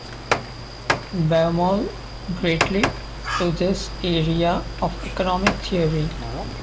Baumol greatly to this area of economic theory.